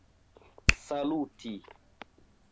saluti